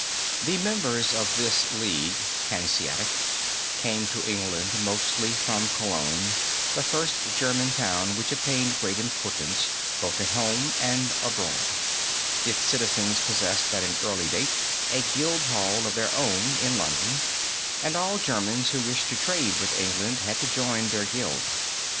"The members of this League (Hanseatic) came to England mostly from Cologne, the first German town which obtained great importance both at home and abroad. Its citizens possessed at an early date a guild hall of their own (in London), and all Germans who wished to trade with England had to join their guild.